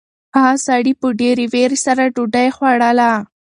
هغه سړي په ډېرې وېرې سره ډوډۍ خوړله.